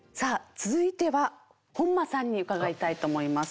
続いては本間さんに伺いたいと思います。